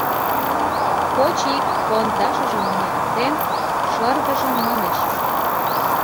Кочик, пондашыжым ниялтен, шыргыжын манеш: